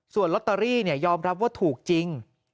ส่วนลอตเตอรี่ยอมรับว่าถูกจริง